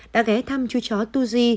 đã ghé thăm chú chó tu di